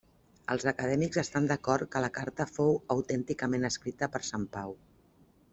Els acadèmics estan d'acord que la carta fou autènticament escrita per sant Pau.